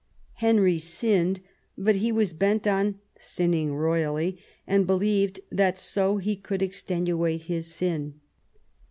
Henry sinned, but he was bent on sinning royally, and believed that so he could extenuate his sin.